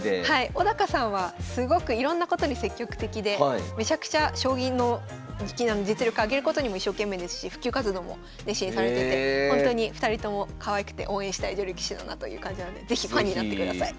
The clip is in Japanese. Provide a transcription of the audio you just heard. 小さんはすごくいろんなことに積極的でめちゃくちゃ将棋の実力上げることにも一生懸命ですし普及活動も熱心にされててほんとに２人ともかわいくて応援したい女流棋士だなという感じなので是非ファンになってください。